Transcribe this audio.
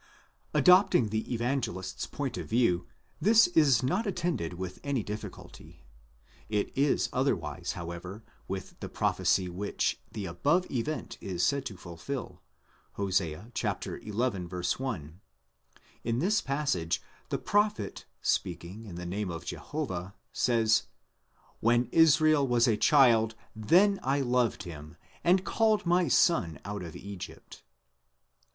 Adopting the evangelist's point of view, this is not attended with any difficulty ; itis otherwise, however, with the prophecy which the above event is said to fulfil, Hosea xi. 1. In this passage the pro phet, speaking in the name of Jehovah, says: When Israel was a child, then £ loved him, and called my son out of Egypt.